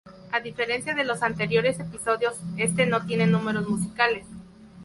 A diferencia de los anteriores episodios, este no tiene números musicales.